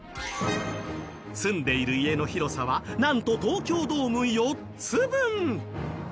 住んでいる家の広さは何と東京ドーム４つ分。